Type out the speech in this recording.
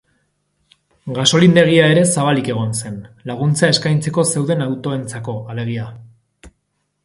Gasolindegia ere zabalik egon zen, laguntza eskaintzeko zeuden autoentzako, alegia.